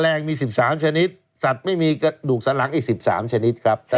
แรงมี๑๓ชนิดสัตว์ไม่มีกระดูกสันหลังอีก๑๓ชนิดครับ